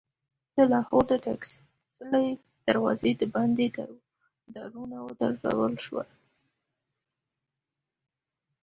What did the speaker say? د لاهور د ټکسلي دروازې دباندې دارونه ودرول شول.